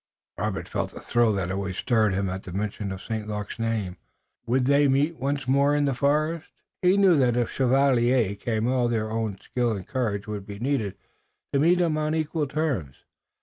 Robert felt the thrill that always stirred him at the mention of St. Luc's name. Would they meet once more in the forest? He knew that if the Chevalier came all their own skill and courage would be needed to meet him on equal terms.